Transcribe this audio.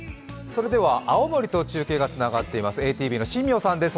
それでは青森と中継がつながっています、ＡＴＶの新名さんです。